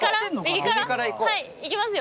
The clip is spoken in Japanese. はいいきますよ。